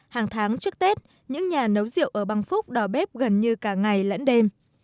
hàng tháng trước tết những nhà nấu rượu ở bằng phúc đòi bếp gần như cả ngày lẫn đêm